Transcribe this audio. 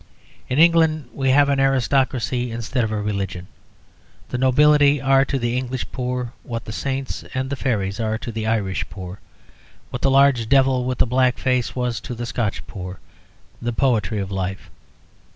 In England we have an aristocracy instead of a religion. The nobility are to the English poor what the saints and the fairies are to the Irish poor, what the large devil with a black face was to the Scotch poor the poetry of life.